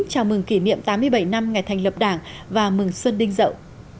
chào mừng kỷ niệm tám mươi bảy năm ngày thành lập đảng và mừng xuân đinh dậu